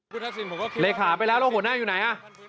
คุณทักษิณผมก็คิดว่าเลขาไปแล้วเราหัวหน้าอยู่ไหน